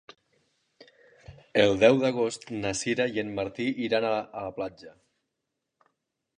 El deu d'agost na Sira i en Martí iran a la platja.